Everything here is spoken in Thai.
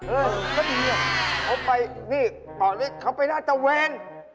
เออเขาไปนี่เขาไปราชเวร